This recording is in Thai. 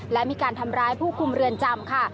และมีการทำร้ายผู้คุมเรือนจำค่ะ